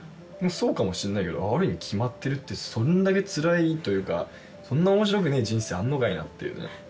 そうかもしんないけどある意味決まってるってそんだけつらいというかそんな面白くねえ人生あんのかいなっていうね